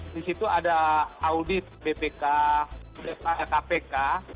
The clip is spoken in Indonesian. di situ ada audit bpk kpk